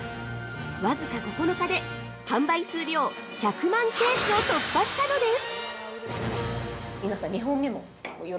わずか９日で販売数量１００万ケースを突破したのです。